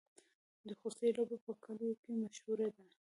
د خوسي لوبه په کلیو کې مشهوره ده.